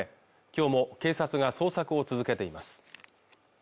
今日も警察が捜索を続けています